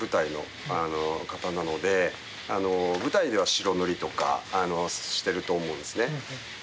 舞台では白塗りとかしてると思うんですね。